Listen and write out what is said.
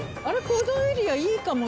このエリアいいかも。